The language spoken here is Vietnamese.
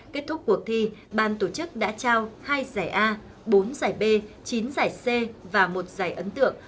kết thúc cuộc thi ban tổ chức đã trao hai giải a bốn giải b chín giải c và một giải ấn tượng